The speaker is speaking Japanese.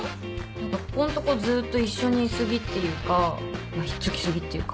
何かここんとこずっと一緒にい過ぎっていうかまっひっつき過ぎっていうか。